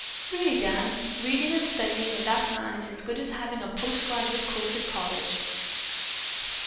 Really, Dan, reading and studying with that man is as good as having a post graduate course at college."